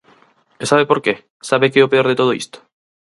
¿E sabe por que?, ¿sabe que é o peor de todo isto?